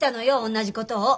同じことを。